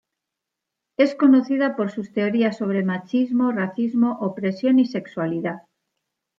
Es conocida por sus teorías sobre machismo, racismo, opresión y sexualidad.